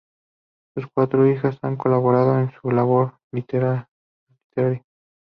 Sus cuatro hijas han colaborado en su labor literaria.